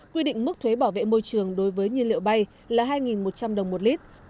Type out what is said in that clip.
quy định mức thuế bảo vệ môi trường đối với nhiên liệu bay là hai một trăm linh đồng một lít